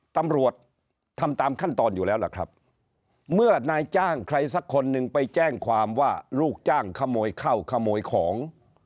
ตำรวจทำตามขั้นตอนอยู่แล้วล่ะครับเมื่อนายจ้างใครสักคนหนึ่งไปแจ้งความว่าลูกจ้างขโมยเข้าขโมยของ